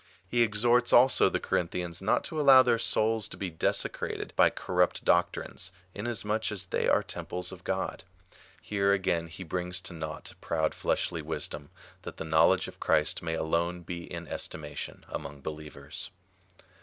He exhorts also the Corinthians not to allow their souls to be desecrated by corrupt doctrines, inasmuch as they are temples of God. Here he again brings to nought proud fleshly wisdom, that the knowledge of Christ may alone be in estimation among believers.